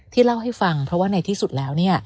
เล่าให้ฟังเพราะว่าในที่สุดแล้ว